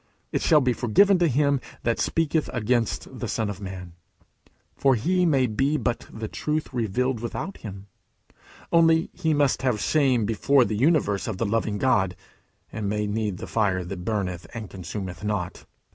"It shall be forgiven to him that speaketh against the Son of man;" for He may be but the truth revealed without him. Only he must have shame before the universe of the loving God, and may need the fire that burneth and consumeth not.